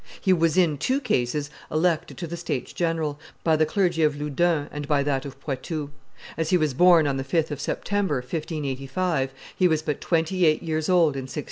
He was in, two cases elected to the states general, by the clergy of Loudun and by that of Poitou. As he was born on the 5th of September, 1585, he was but twenty eight years old in 1614.